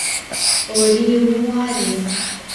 وَوَلِيُّهُ مُعَادِيًا